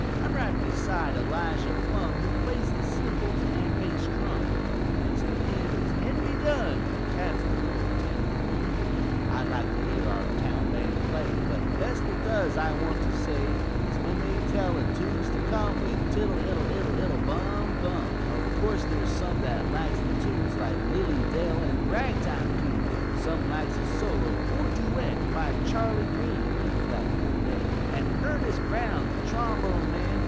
I'm right beside Elijah Plumb, Who plays th' cymbals an' bass drum; An' next to him is Henry Dunn, Who taps the little tenor one. I like to hear our town band play, But, best it does, I want to say, Is when they tell a tune's to come With "Tiddle iddle iddle iddle Bum Bum!" O' course, there's some that likes the tunes Like Lily Dale an' Ragtime Coons; Some likes a solo or duet By Charley Green B flat cornet An' Ernest Brown th' trombone man.